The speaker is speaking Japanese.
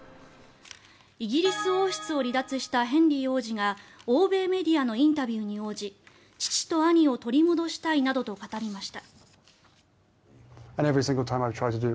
イギリス王室を離脱したヘンリー王子が欧米メディアのインタビューに応じ父と兄を取り戻したいなどと語りました。